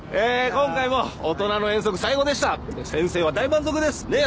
今回も大人の遠足最高でした先生は大満足ですねえ？